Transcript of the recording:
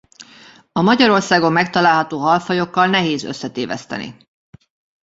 A Magyarországon megtalálható halfajokkal nehéz összetéveszteni.